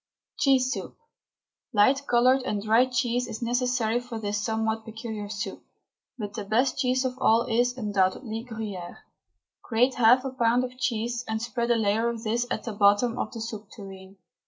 CHEESE SOUP. Light coloured and dry cheese is necessary for this somewhat peculiar soup, but the best cheese of all is, undoubtedly, Gruyere. Grate half a pound of cheese and spread a layer of this at the bottom of the soup tureen.